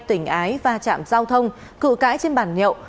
tỉnh ái va chạm giao thông cự cãi trên bàn nhậu